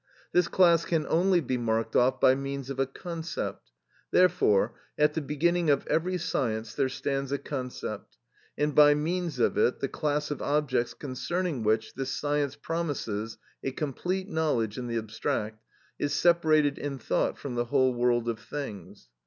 This class can only be marked off by means of a concept; therefore, at the beginning of every science there stands a concept, and by means of it the class of objects concerning which this science promises a complete knowledge in the abstract, is separated in thought from the whole world of things.